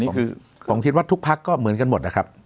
ผมคิดว่าทุกภาคก็เหมือนกันหมดนะครับ